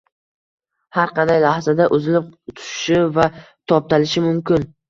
– har qanday lahzada uzilib tushishi va toptalishi mumkin.